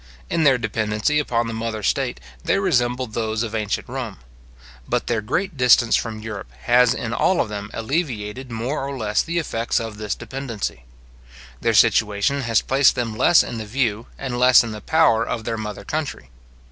In their dependency upon the mother state, they resemble those of ancient Rome; but their great distance from Europe has in all of them alleviated more or less the effects of this dependency. Their situation has placed them less in the view, and less in the power of their mother country.